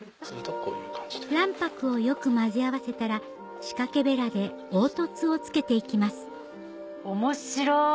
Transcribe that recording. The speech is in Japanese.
卵白をよく混ぜ合わせたら仕掛けベラで凹凸を付けて行きますおもしろ！